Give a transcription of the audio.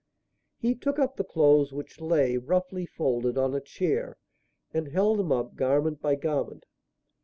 He took up the clothes which lay, roughly folded, on a chair and held them up, garment by garment.